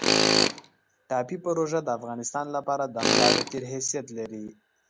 ټاپي پروژه د افغانستان لپاره د ملا د تیر حیثیت لري